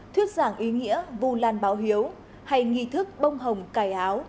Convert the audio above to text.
thuyết giảng ý nghĩa vù lan báo hiếu hay nghi thức bông hồng cài áo